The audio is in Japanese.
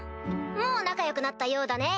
もう仲良くなったようだね。